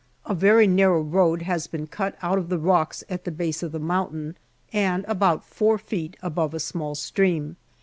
A very narrow road has been cut out of the rocks at the base of the mountain, and about four feet above a small stream.